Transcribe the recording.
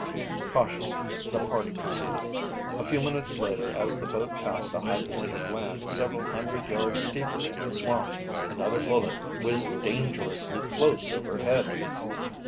Cautiously, the party proceeded. A few minutes later as the boat passed a high point of land several hundred yards deeper in the swamp, another bullet whizzed dangerously close overhead.